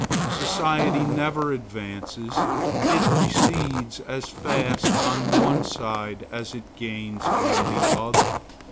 Society never advances. It recedes as fast on one side as it gains on the other.